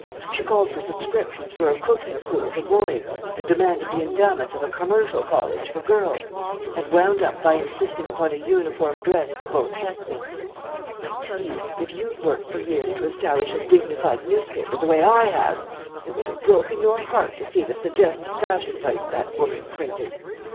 She called for subscriptions for a cooking school for boys, and demanded the endowment of a commercial college for girls, and wound up by insisting upon a uniform dress for both sexes. I tell you, if you'd worked for years to establish a dignified newspaper the way I have, it would have broken your heart to see the suggested fashion plates that woman printed.